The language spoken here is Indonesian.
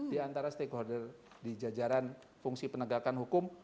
di antara stakeholder di jajaran fungsi penegakan hukum